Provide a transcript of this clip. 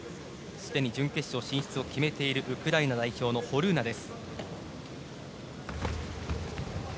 すでに準決勝進出を決めているウクライナ代表のホルーナです。